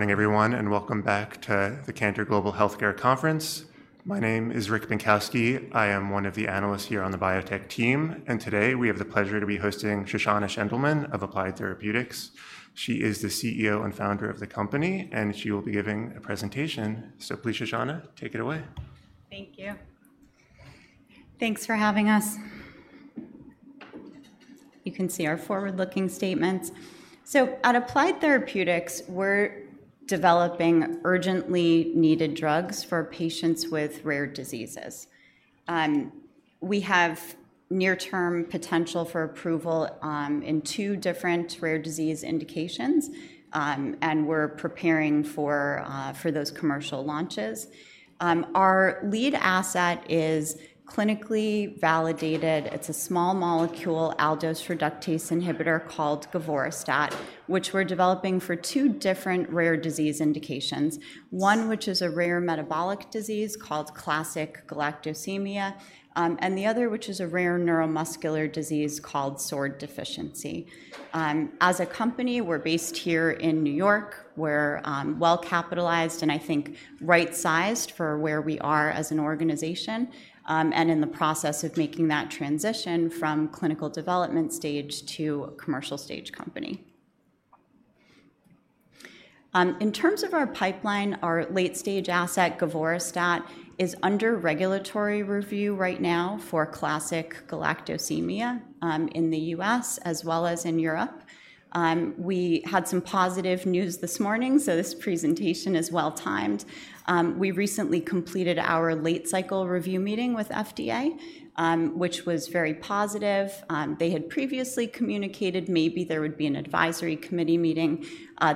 Morning, everyone, and welcome back to the Cantor Global Healthcare Conference. My name is Rick Bienkowski. I am one of the analysts here on the biotech team, and today we have the pleasure to be hosting Shoshana Shendelman of Applied Therapeutics. She is the CEO and founder of the company, and she will be giving a presentation. So please, Shoshana, take it away. Thank you. Thanks for having us. You can see our forward-looking statements. So at Applied Therapeutics, we're developing urgently needed drugs for patients with rare diseases. We have near-term potential for approval in two different rare disease indications, and we're preparing for those commercial launches. Our lead asset is clinically validated. It's a small molecule aldose reductase inhibitor called govorestat, which we're developing for two different rare disease indications, one which is a rare metabolic disease called Classic galactosemia, and the other, which is a rare neuromuscular disease called SORD deficiency. As a company, we're based here in New York. We're well-capitalized and I think right-sized for where we are as an organization, and in the process of making that transition from clinical development stage to a commercial stage company. In terms of our pipeline, our late-stage asset, govorestat, is under regulatory review right now for Classic galactosemia, in the U.S. as well as in Europe. We had some positive news this morning, so this presentation is well timed. We recently completed our late cycle review meeting with FDA, which was very positive. They had previously communicated maybe there would be an advisory committee meeting.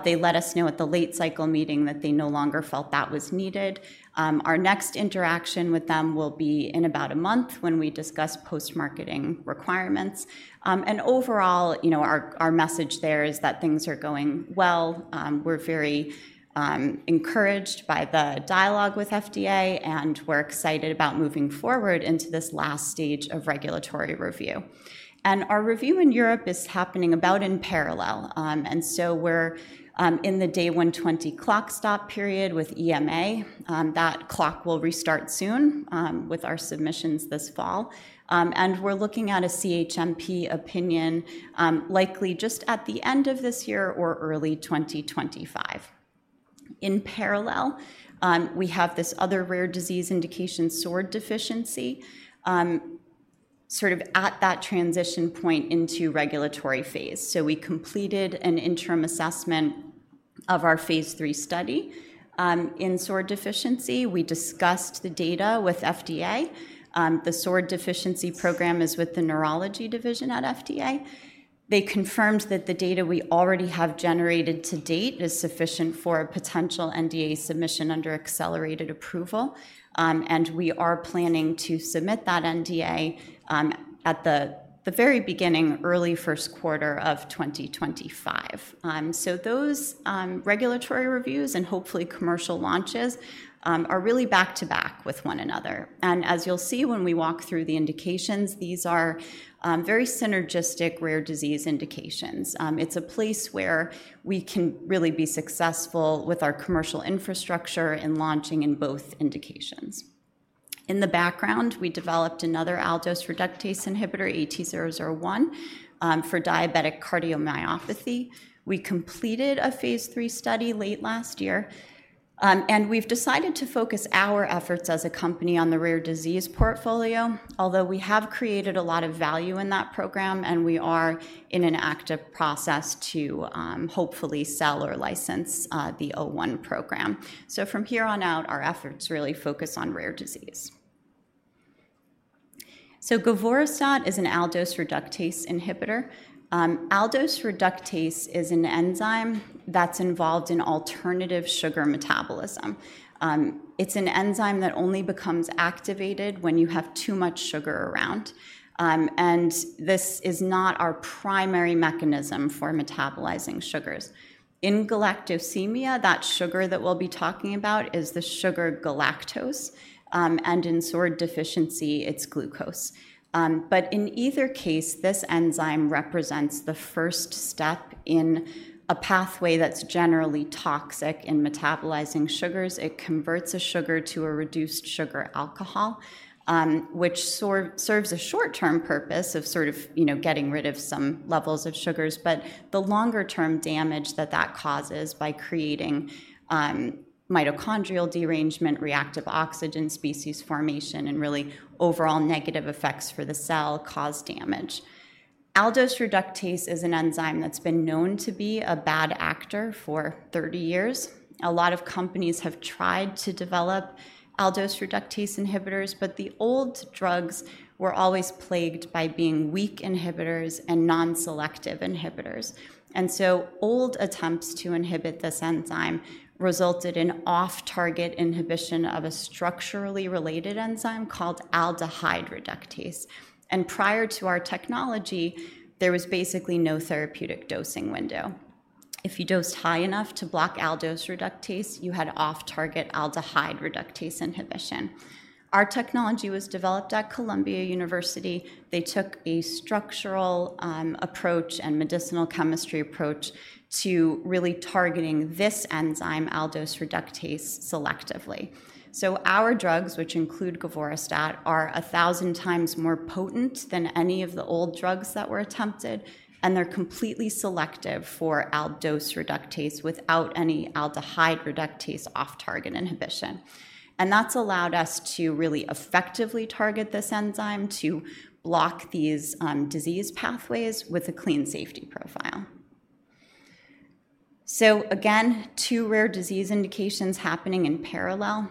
They let us know at the late cycle meeting that they no longer felt that was needed. Our next interaction with them will be in about a month when we discuss post-marketing requirements and overall, you know, our message there is that things are going well. We're very encouraged by the dialogue with FDA, and we're excited about moving forward into this last stage of regulatory review. Our review in Europe is happening about in parallel. And so we're in the Day 120 clock stop period with EMA. That clock will restart soon with our submissions this fall, and we're looking at a CHMP opinion likely just at the end of this year or early 2025. In parallel, we have this other rare disease indication, SORD deficiency, sort of at that transition point into regulatory phase. So we completed an interim assessment of our Phase III study in SORD deficiency. We discussed the data with FDA. The SORD deficiency program is with the neurology division at FDA. They confirmed that the data we already have generated to date is sufficient for a potential NDA submission under accelerated approval, and we are planning to submit that NDA at the very beginning, early first quarter of 2025, so those regulatory reviews and hopefully commercial launches are really back-to-back with one another, and as you'll see when we walk through the indications, these are very synergistic, rare disease indications. It's a place where we can really be successful with our commercial infrastructure in launching in both indications. In the background, we developed another aldose reductase inhibitor, AT-001, for diabetic cardiomyopathy. We completed a Phase III study late last year, and we've decided to focus our efforts as a company on the rare disease portfolio, although we have created a lot of value in that program, and we are in an active process to, hopefully sell or license, the AT-001 program, so from here on out, our efforts really focus on rare disease, so govorestat is an aldose reductase inhibitor. Aldose reductase is an enzyme that's involved in alternative sugar metabolism. It's an enzyme that only becomes activated when you have too much sugar around, and this is not our primary mechanism for metabolizing sugars. In galactosemia, that sugar that we'll be talking about is the sugar galactose, and in SORD deficiency, it's glucose. But in either case, this enzyme represents the first step in a pathway that's generally toxic in metabolizing sugars. It converts a sugar to a reduced sugar alcohol, which serves a short-term purpose of sort of, you know, getting rid of some levels of sugars, but the longer-term damage that that causes by creating mitochondrial derangement, reactive oxygen species formation, and really overall negative effects for the cell, cause damage. Aldose reductase is an enzyme that's been known to be a bad actor for thirty years. A lot of companies have tried to develop aldose reductase inhibitors, but the old drugs were always plagued by being weak inhibitors and non-selective inhibitors. And so old attempts to inhibit this enzyme resulted in off-target inhibition of a structurally related enzyme called aldehyde reductase. And prior to our technology, there was basically no therapeutic dosing window. If you dosed high enough to block aldose reductase, you had off-target aldehyde reductase inhibition. Our technology was developed at Columbia University. They took a structural, approach and medicinal chemistry approach to really targeting this enzyme, aldose reductase, selectively. So our drugs, which include govorestat, are a thousand times more potent than any of the old drugs that were attempted, and they're completely selective for aldose reductase without any aldehyde reductase off-target inhibition. And that's allowed us to really effectively target this enzyme to block these, disease pathways with a clean safety profile. So again, two rare disease indications happening in parallel.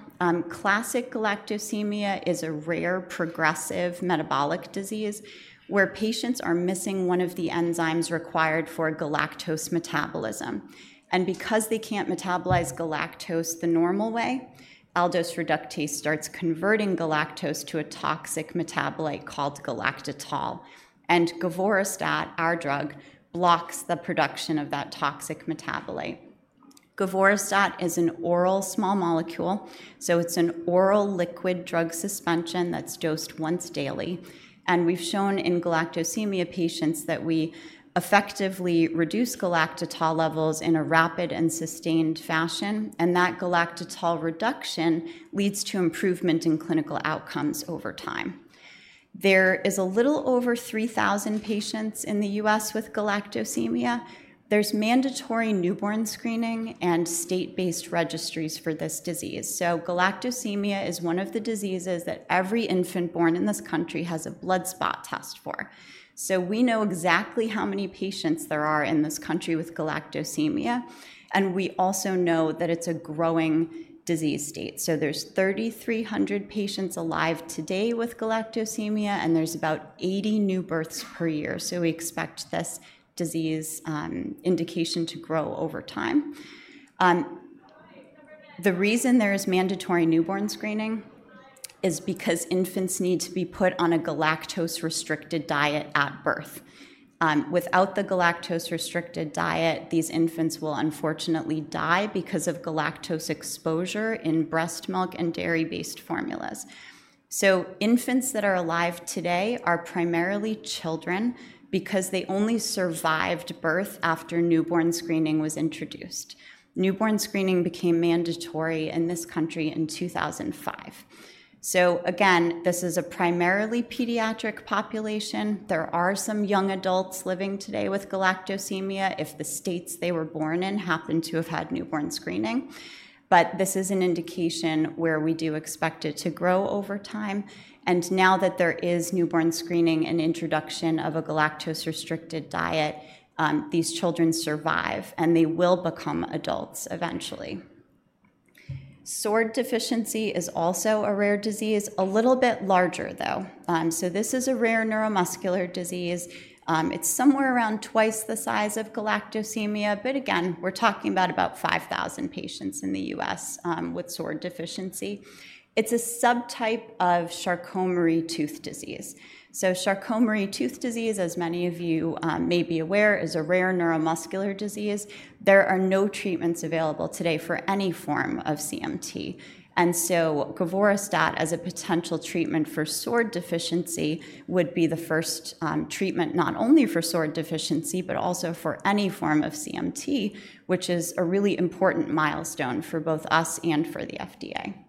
Classic galactosemia is a rare, progressive metabolic disease where patients are missing one of the enzymes required for galactose metabolism. And because they can't metabolize galactose the normal way, aldose reductase starts converting galactose to a toxic metabolite called galactitol. govorestat, our drug, blocks the production of that toxic metabolite. govorestat is an oral small molecule, so it's an oral liquid drug suspension that's dosed once daily. We've shown in galactosemia patients that we effectively reduce galactitol levels in a rapid and sustained fashion, and that galactitol reduction leads to improvement in clinical outcomes over time. There is a little over three thousand patients in the U.S. with galactosemia. There's mandatory newborn screening and state-based registries for this disease. galactosemia is one of the diseases that every infant born in this country has a blood spot test for. We know exactly how many patients there are in this country with galactosemia, and we also know that it's a growing disease state. There's thirty-three hundred patients alive today with galactosemia, and there's about eighty new births per year. So we expect this disease, indication to grow over time. The reason there is mandatory newborn screening is because infants need to be put on a galactose-restricted diet at birth. Without the galactose-restricted diet, these infants will unfortunately die because of galactose exposure in breast milk and dairy-based formulas. So infants that are alive today are primarily children because they only survived birth after newborn screening was introduced. Newborn screening became mandatory in this country in 2005. So again, this is a primarily pediatric population. There are some young adults living today with galactosemia if the states they were born in happened to have had newborn screening, but this is an indication where we do expect it to grow over time. And now that there is newborn screening and introduction of a galactose-restricted diet, these children survive, and they will become adults eventually. SORD deficiency is also a rare disease, a little bit larger, though. So this is a rare neuromuscular disease. It's somewhere around twice the size of galactosemia, but again, we're talking about five thousand patients in the U.S., with SORD deficiency. It's a subtype of Charcot-Marie-Tooth disease. Charcot-Marie-Tooth disease, as many of you may be aware, is a rare neuromuscular disease. There are no treatments available today for any form of CMT, and so govorestat, as a potential treatment for SORD deficiency, would be the first treatment not only for SORD deficiency, but also for any form of CMT, which is a really important milestone for both us and for the FDA.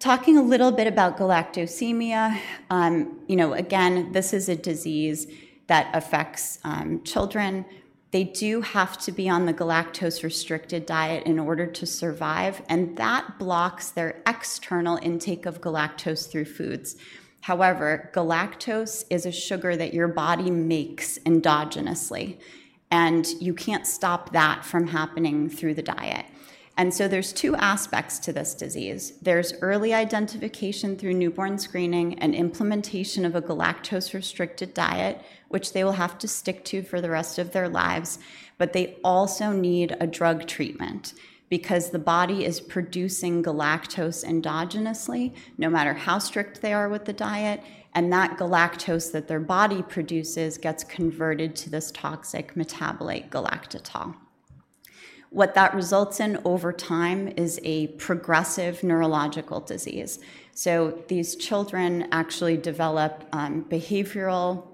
Talking a little bit about galactosemia, you know, again, this is a disease that affects children. They do have to be on the galactose-restricted diet in order to survive, and that blocks their external intake of galactose through foods. However, galactose is a sugar that your body makes endogenously, and you can't stop that from happening through the diet. And so there's two aspects to this disease. There's early identification through newborn screening and implementation of a galactose-restricted diet, which they will have to stick to for the rest of their lives, but they also need a drug treatment because the body is producing galactose endogenously, no matter how strict they are with the diet, and that galactose that their body produces gets converted to this toxic metabolite, galactitol. What that results in over time is a progressive neurological disease. So these children actually develop behavioral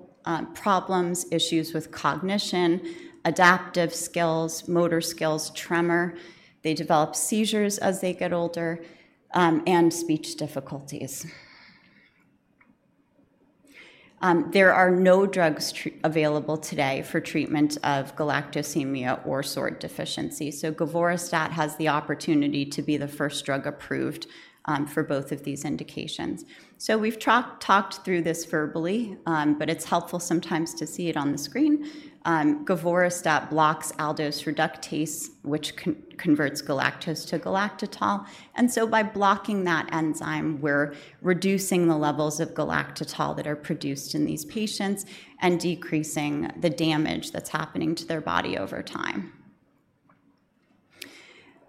problems, issues with cognition, adaptive skills, motor skills, tremor. They develop seizures as they get older, and speech difficulties. There are no drugs available today for treatment of galactosemia or SORD deficiency, so govorestat has the opportunity to be the first drug approved for both of these indications. So we've talked through this verbally, but it's helpful sometimes to see it on the screen. govorestat blocks aldose reductase, which converts galactose to galactitol. And so by blocking that enzyme, we're reducing the levels of galactitol that are produced in these patients and decreasing the damage that's happening to their body over time.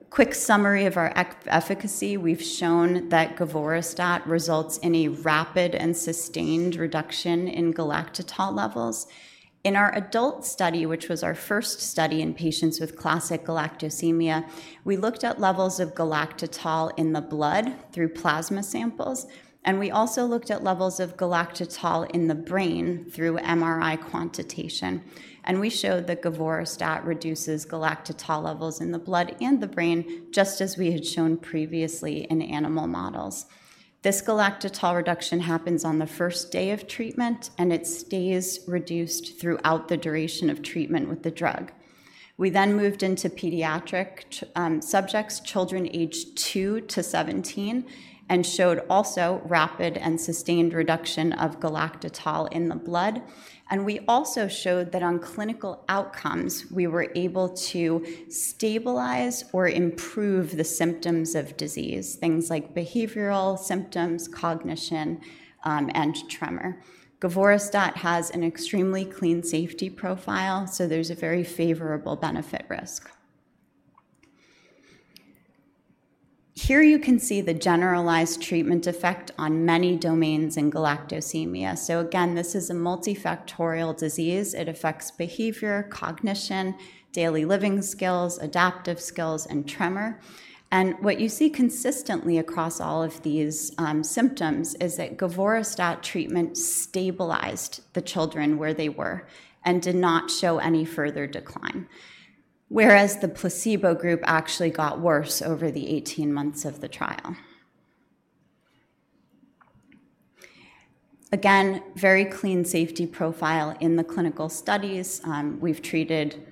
Quick summary of our efficacy. We've shown that govorestat results in a rapid and sustained reduction in galactitol levels. In our adult study, which was our first study in patients with Classic galactosemia, we looked at levels of galactitol in the blood through plasma samples, and we also looked at levels of galactitol in the brain through MRI quantitation, and we showed that govorestat reduces galactitol levels in the blood and the brain, just as we had shown previously in animal models. This galactitol reduction happens on the first day of treatment, and it stays reduced throughout the duration of treatment with the drug. We then moved into pediatric subjects, children aged two to 17, and showed also rapid and sustained reduction of galactitol in the blood, and we also showed that on clinical outcomes, we were able to stabilize or improve the symptoms of disease, things like behavioral symptoms, cognition, and tremor. govorestat has an extremely clean safety profile, so there's a very favorable benefit risk. Here you can see the generalized treatment effect on many domains in galactosemia, so again, this is a multifactorial disease. It affects behavior, cognition, daily living skills, adaptive skills, and tremor, and what you see consistently across all of these symptoms is that govorestat treatment stabilized the children where they were and did not show any further decline, whereas the placebo group actually got worse over the 18 months of the trial. Again, very clean safety profile in the clinical studies. We've treated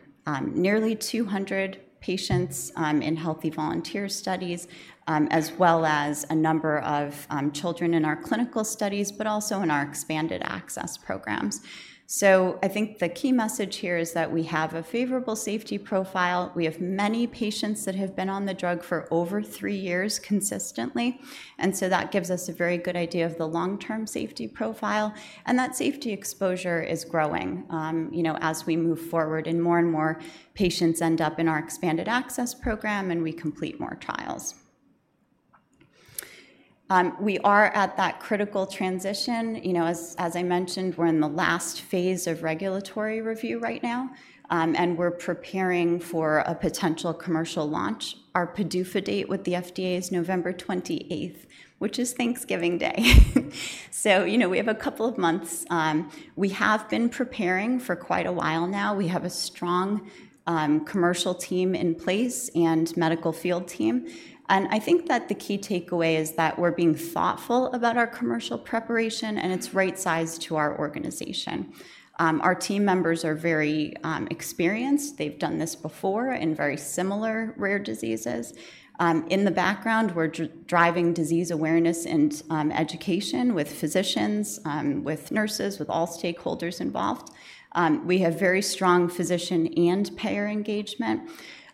nearly 200 patients in healthy volunteer studies as well as a number of children in our clinical studies, but also in our expanded access programs, so I think the key message here is that we have a favorable safety profile. We have many patients that have been on the drug for over three years consistently, and so that gives us a very good idea of the long-term safety profile, and that safety exposure is growing, you know, as we move forward and more and more patients end up in our expanded access program, and we complete more trials. We are at that critical transition. You know, as I mentioned, we're in the last phase of regulatory review right now, and we're preparing for a potential commercial launch. Our PDUFA date with the FDA is November twenty-eighth, which is Thanksgiving Day. So, you know, we have a couple of months. We have been preparing for quite a while now. We have a strong, commercial team in place and medical field team, and I think that the key takeaway is that we're being thoughtful about our commercial preparation, and it's right-sized to our organization. Our team members are very experienced. They've done this before in very similar rare diseases. In the background, we're driving disease awareness and education with physicians, with nurses, with all stakeholders involved. We have very strong physician and payer engagement,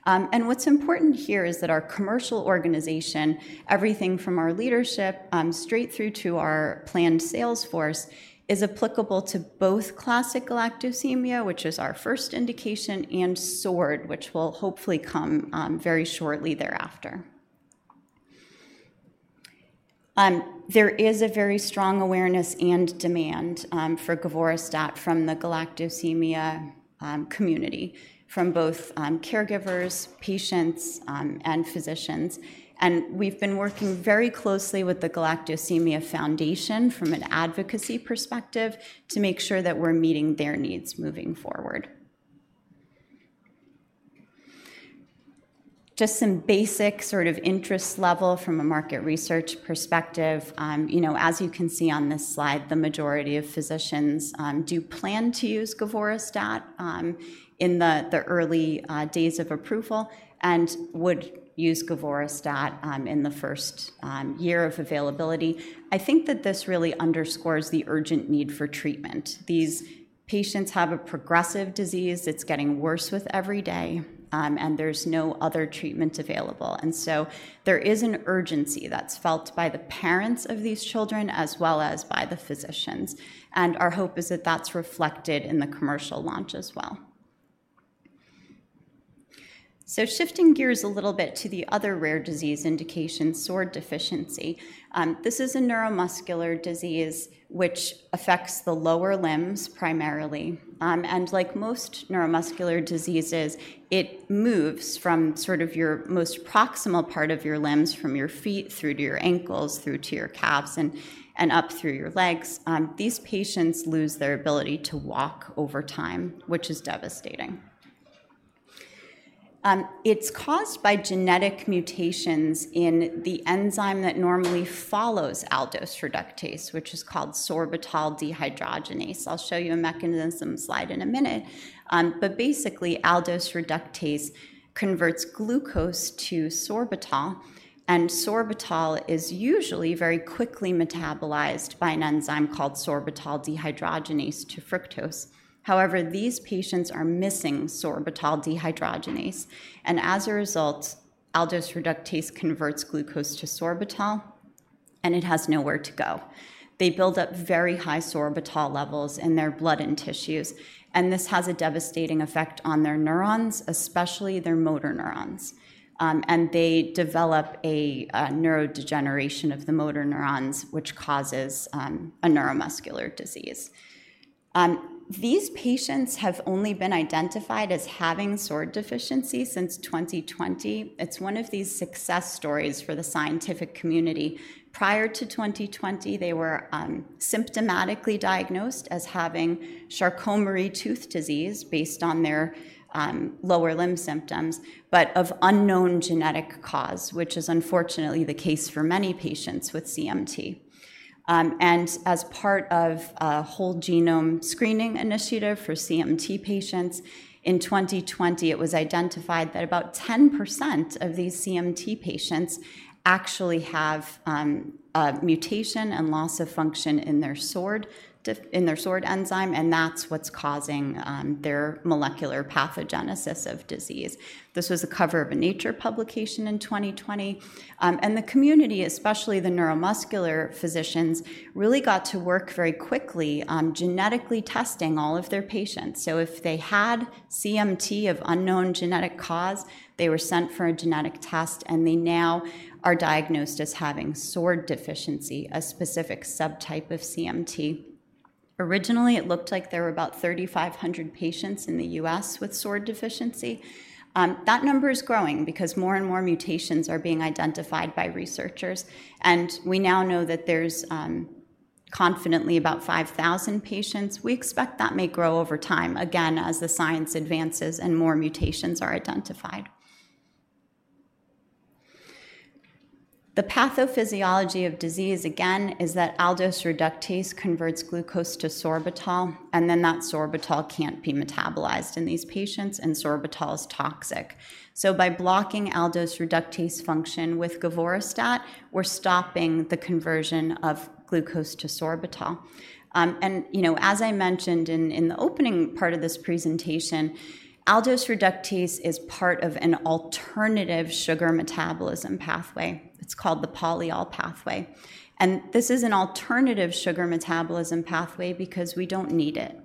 and what's important here is that our commercial organization, everything from our leadership, straight through to our planned sales force, is applicable to both Classic galactosemia, which is our first indication, and SORD, which will hopefully come very shortly thereafter. There is a very strong awareness and demand for govorestat from the galactosemia community, from both caregivers, patients, and physicians. We've been working very closely with the Galactosemia Foundation from an advocacy perspective to make sure that we're meeting their needs moving forward. Just some basic sort of interest level from a market research perspective. You know, as you can see on this slide, the majority of physicians do plan to use govorestat in the early days of approval and would use govorestat in the first year of availability. I think that this really underscores the urgent need for treatment. These patients have a progressive disease. It's getting worse with every day, and there's no other treatment available, and so there is an urgency that's felt by the parents of these children, as well as by the physicians, and our hope is that that's reflected in the commercial launch as well. Shifting gears a little bit to the other rare disease indication, SORD deficiency. This is a neuromuscular disease which affects the lower limbs primarily, and like most neuromuscular diseases, it moves from sort of your most proximal part of your limbs, from your feet through to your ankles, through to your calves, and up through your legs. These patients lose their ability to walk over time, which is devastating. It's caused by genetic mutations in the enzyme that normally follows aldose reductase, which is called sorbitol dehydrogenase. I'll show you a mechanism slide in a minute, but basically, aldose reductase converts glucose to sorbitol, and sorbitol is usually very quickly metabolized by an enzyme called sorbitol dehydrogenase to fructose. However, these patients are missing sorbitol dehydrogenase, and as a result, aldose reductase converts glucose to sorbitol, and it has nowhere to go. They build up very high sorbitol levels in their blood and tissues, and this has a devastating effect on their neurons, especially their motor neurons. And they develop a neurodegeneration of the motor neurons, which causes a neuromuscular disease. These patients have only been identified as having SORD deficiency since twenty twenty. It's one of these success stories for the scientific community. Prior to twenty twenty, they were symptomatically diagnosed as having Charcot-Marie-Tooth disease based on their lower limb symptoms, but of unknown genetic cause, which is unfortunately the case for many patients with CMT. And as part of a whole genome screening initiative for CMT patients, in 2020, it was identified that about 10% of these CMT patients actually have a mutation and loss of function in their SORD enzyme, and that's what's causing their molecular pathogenesis of disease. This was the cover of a Nature publication in 2020. And the community, especially the neuromuscular physicians, really got to work very quickly on genetically testing all of their patients. So if they had CMT of unknown genetic cause, they were sent for a genetic test, and they now are diagnosed as having SORD deficiency, a specific subtype of CMT. Originally, it looked like there were about 3,500 patients in the U.S. with SORD deficiency. That number is growing because more and more mutations are being identified by researchers, and we now know that there's confidently about five thousand patients. We expect that may grow over time, again, as the science advances and more mutations are identified. The pathophysiology of disease, again, is that aldose reductase converts glucose to sorbitol, and then that sorbitol can't be metabolized in these patients, and sorbitol is toxic. So by blocking aldose reductase function with govorestat, we're stopping the conversion of glucose to sorbitol. And, you know, as I mentioned in the opening part of this presentation, aldose reductase is part of an alternative sugar metabolism pathway. It's called the polyol pathway, and this is an alternative sugar metabolism pathway because we don't need it.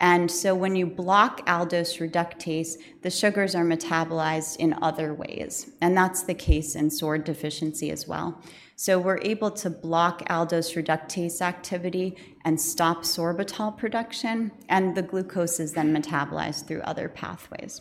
And so when you block aldose reductase, the sugars are metabolized in other ways, and that's the case in SORD deficiency as well. So we're able to block aldose reductase activity and stop sorbitol production, and the glucose is then metabolized through other pathways.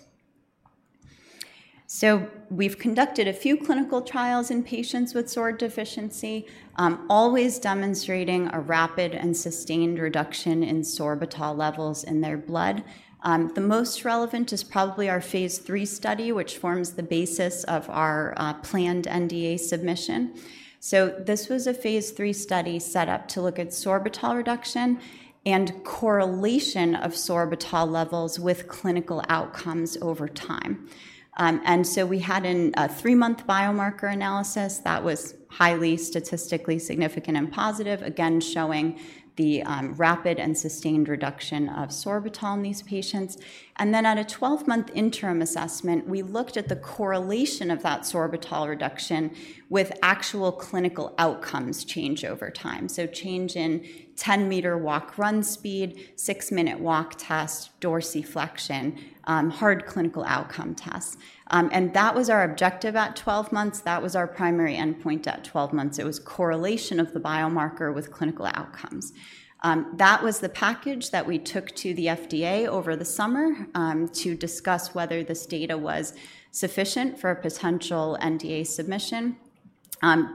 So we've conducted a few clinical trials in patients with SORD deficiency, always demonstrating a rapid and sustained reduction in sorbitol levels in their blood. The most relevant is probably our phase three study, which forms the basis of our planned NDA submission. So this was a phase three study set up to look at sorbitol reduction and correlation of sorbitol levels with clinical outcomes over time. And so we had a three-month biomarker analysis that was highly statistically significant and positive, again, showing the rapid and sustained reduction of sorbitol in these patients. And then at a 12-month interim assessment, we looked at the correlation of that sorbitol reduction with actual clinical outcomes change over time. So change in 10-meter walk, run speed, 6-minute walk test, dorsiflexion, hard clinical outcome tests. And that was our objective at 12 months. That was our primary endpoint at 12 months. It was correlation of the biomarker with clinical outcomes. That was the package that we took to the FDA over the summer, to discuss whether this data was sufficient for a potential NDA submission.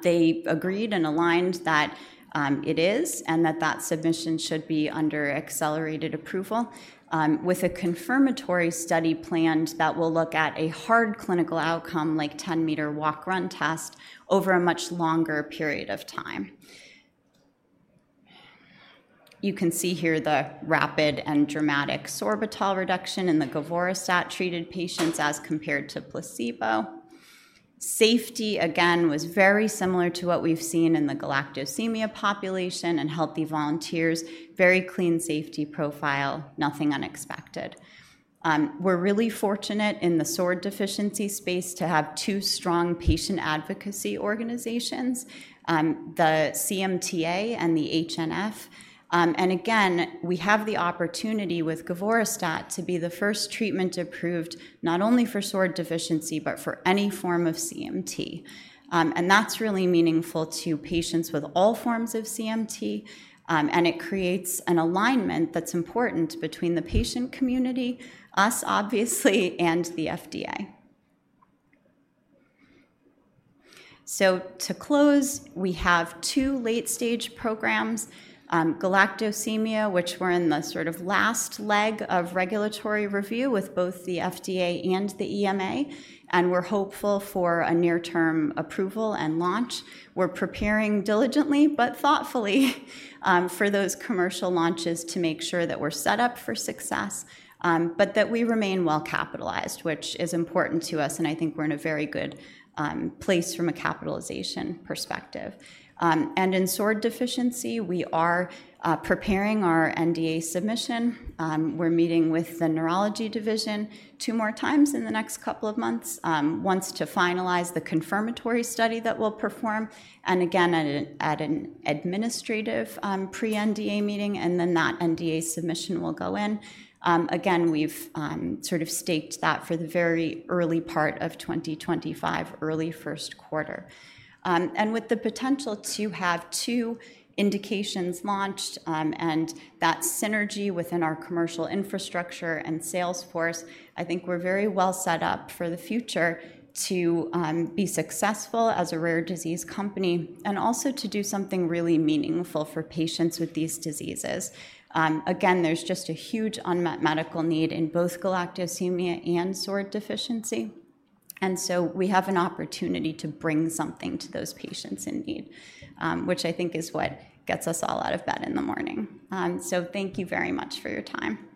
They agreed and aligned that, it is, and that that submission should be under accelerated approval, with a confirmatory study planned that will look at a hard clinical outcome, like 10-meter walk/run test, over a much longer period of time. You can see here the rapid and dramatic sorbitol reduction in the govorestat-treated patients as compared to placebo. Safety, again, was very similar to what we've seen in the galactosemia population and healthy volunteers. Very clean safety profile, nothing unexpected. We're really fortunate in the SORD deficiency space to have two strong patient advocacy organizations, the CMTA and the HNF, and again, we have the opportunity with govorestat to be the first treatment approved not only for SORD deficiency, but for any form of CMT, and that's really meaningful to patients with all forms of CMT, and it creates an alignment that's important between the patient community, us, obviously, and the FDA. So to close, we have two late-stage programs, galactosemia, which we're in the sort of last leg of regulatory review with both the FDA and the EMA, and we're hopeful for a near-term approval and launch. We're preparing diligently, but thoughtfully, for those commercial launches to make sure that we're set up for success, but that we remain well capitalized, which is important to us, and I think we're in a very good place from a capitalization perspective. And in SORD deficiency, we are preparing our NDA submission. We're meeting with the neurology division two more times in the next couple of months, once to finalize the confirmatory study that we'll perform, and again, at an administrative pre-NDA meeting, and then that NDA submission will go in. Again, we've sort of staked that for the very early part of 2025, early first quarter. And with the potential to have two indications launched, and that synergy within our commercial infrastructure and sales force, I think we're very well set up for the future to be successful as a rare disease company and also to do something really meaningful for patients with these diseases. Again, there's just a huge unmet medical need in both galactosemia and SORD deficiency, and so we have an opportunity to bring something to those patients in need, which I think is what gets us all out of bed in the morning. So thank you very much for your time.